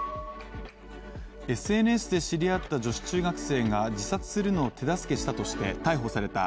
ＳＮＳで知り合った女子中学生が自殺するのを手助けしたとして逮捕された。